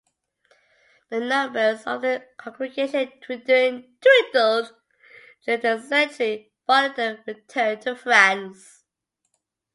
The numbers of the congregation dwindled during the century following their return to France.